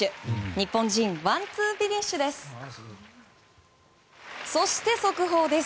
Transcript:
日本人ワンツーフィニッシュです。